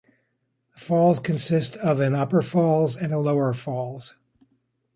The falls consists of an Upper Falls and a Lower Falls.